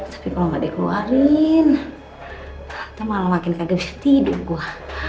tapi kalau gak dikeluarin teman makin kaget tidur gua